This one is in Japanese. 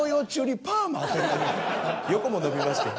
横も伸びましてん。